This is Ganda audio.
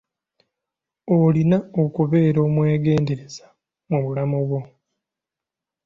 Olina okubeera omwegendereza mu bulamu bwo.